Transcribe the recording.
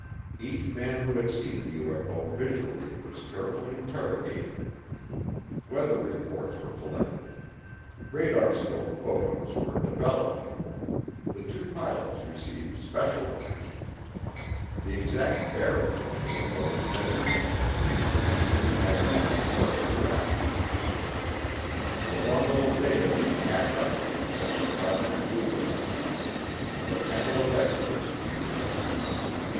Each man who had seen the UFO visually was carefully interrogated. Weather reports were collected. Radarscope photos were developed. The two pilots received special attention. The exact bearing of the UFO was measured and 300 degrees magnetic was correct. The bundle of data was packed up and sent to Project Blue Book. The panel of experts convened.